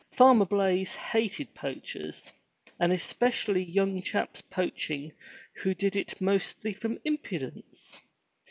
Farmer Blaize hated poachers, and especially young chaps poaching who did it mostly from impudence.